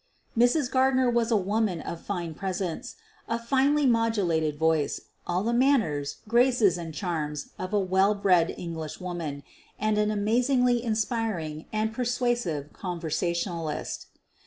Mrs. Gardner was a woman of fine presence, a finely modulated voice, all the manners, graces, and charms of a well bred English woman, and an amazingly inspiring and persuasive conversational ist.